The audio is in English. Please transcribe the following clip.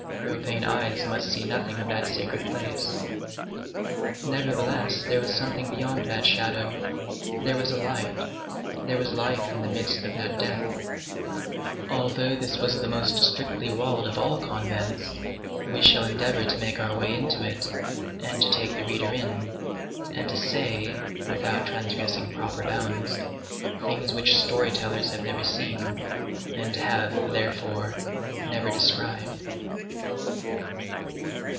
Profane eyes must see nothing of that sacred place. Nevertheless, there was something beyond that shadow; there was a light; there was life in the midst of that death. Although this was the most strictly walled of all convents, we shall endeavor to make our way into it, and to take the reader in, and to say, without transgressing the proper bounds, things which story tellers have never seen, and have, therefore, never described.